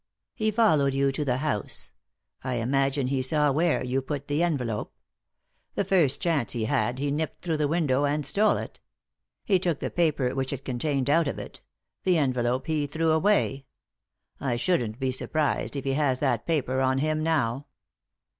" He followed you to the house. I imagine he saw where you put the envelope. The first chance he bad he nipped through the window and stole it. He took the paper which it contained out of it ; the envelope he threw away. I shouldn't be surprised if he has that paper on him now."